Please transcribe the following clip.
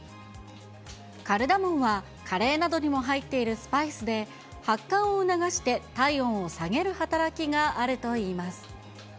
カルダモンはカレーなどにも入っているスパイスで、発汗を促して、体温を下げる働きがあるといいます。